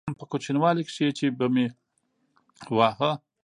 په کوچنيوالي کښې چې به مې واهه.